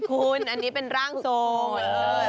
คุณอันนี้เป็นร่างศูนย์